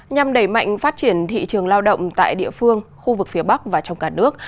nhằm đẩy mạnh phát triển thị trường lao động tại địa phương khu vực phía bắc và trong cả nước